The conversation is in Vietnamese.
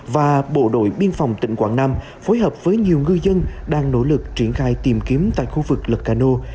và bộ đội biên phòng tỉnh quảng nam phối hợp với nhiều ngư dân đang nỗ lực triển khai tìm kiếm tại khu vực lực càno